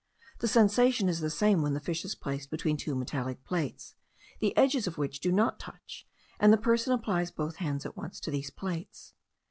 The sensation is the same when the fish is placed between two metallic plates, the edges of which do not touch, and the person applies both hands at once to these plates.